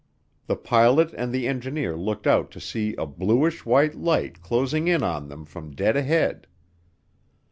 The pilot and the engineer looked out to see a bluish white light closing in on them from dead ahead.